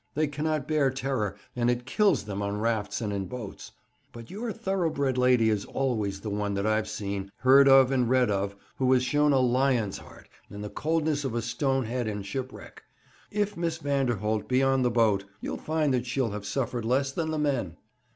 They cannot bear terror, and it kills them on rafts and in boats. But your thoroughbred lady is always the one that I've seen, heard of, and read of, who has shown a lion's heart and the coldness of a stone head in shipwreck. If Miss Vanderholt be in the boat, you'll find that she'll have suffered less than the men.'